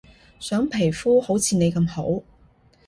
想皮膚好似你咁好